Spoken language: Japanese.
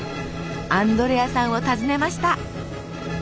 アンドレアさんを訪ねました。